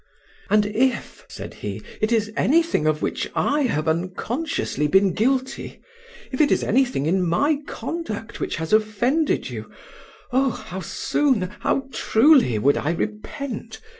"And if," said he, "it is any thing of which I have unconsciously been guilty if it is any thing in my conduct which has offended you, oh! how soon, how truly would I repent.